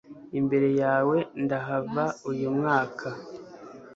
imbere yawe ndahava uyu mwaka